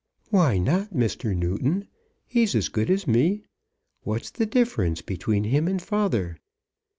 "Why not, Mr. Newton? He's as good as me. What's the difference between him and father?"